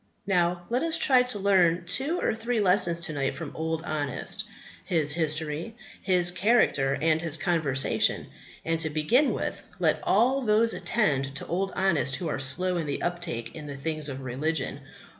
Now, let us try to learn two or three lessons to night from Old Honest, his history, his character, and his conversation. And, to begin with, let all those attend to Old Honest who are slow in the uptake in the things of religion.